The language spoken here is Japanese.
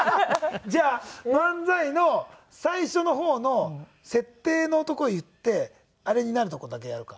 じゃあ漫才の最初の方の設定のとこ言ってあれになるとこだけやろうか。